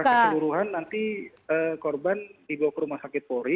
secara keseluruhan nanti korban dibawa ke rumah sakit pori